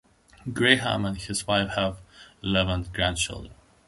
Graham and his wife have eleven grandchildren.